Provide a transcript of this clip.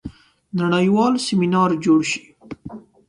نړیوال سیمینار جوړ شي.